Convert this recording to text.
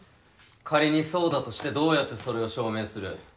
仮にそうだとしてどうやってそれを証明する？